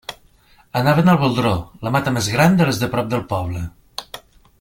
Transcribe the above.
Anaven al Boldró, la mata més gran de les de prop del poble.